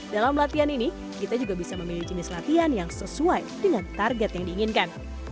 dalam latihan ini kita juga bisa memilih jenis latihan yang sesuai dengan target yang diinginkan